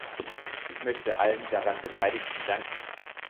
Ich möchte allen daran Beteiligten danken.